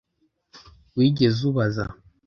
wigeze ubaza